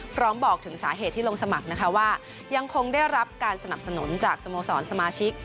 พร้อมบอกถึงสาเหตุที่ลงสมัครนะคะว่ายังคงได้รับการสนับสนุนจากสโมสรสมาชิก